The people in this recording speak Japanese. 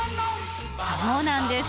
そうなんです。